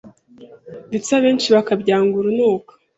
ndetse abenshi bakabyanga urunuka